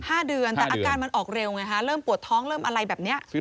เดือนแต่อาการมันออกเร็วไงฮะเริ่มปวดท้องเริ่มอะไรแบบเนี้ย